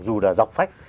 dù là dọc phách